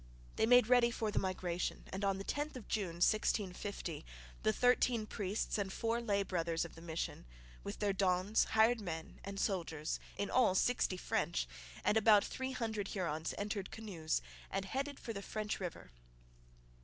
They made ready for the migration; and on the 10th of June (1650) the thirteen priests and four lay brothers of the mission, with their donnes, hired men, and soldiers, in all sixty French, and about three hundred Hurons, entered canoes and headed for the French River.